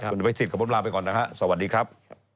คุณพิสิทธิ์ขอบคุณพลาดไปก่อนนะคะสวัสดีครับ